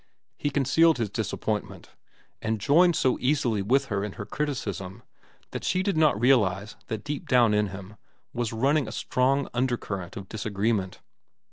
He concealed his disappointment, and joined so easily with her in her criticism that she did not realize that deep down in him was running a strong undercurrent of disagreement.